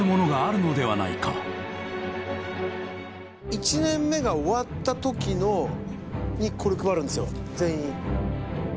一年目が終わった時にこれ配るんですよ全員に。